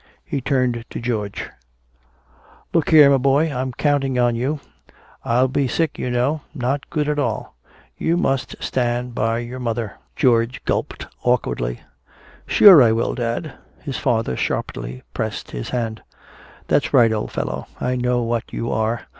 He turned to George: "Look here, my boy, I'm counting on you. I'll be sick, you know no good at all. You must stand by your mother." George gulped awkwardly: "Sure I will, dad." His father sharply pressed his hand: "That's right, old fellow, I know what you are.